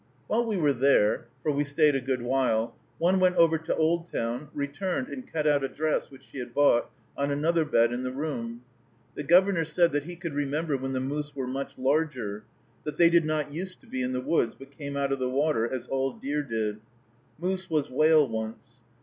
While we were there, for we stayed a good while, one went over to Oldtown, returned and cut out a dress, which she had bought, on another bed in the room. The Governor said that "he could remember when the moose were much larger; that they did not use to be in the woods, but came out of the water, as all deer did. Moose was whale once.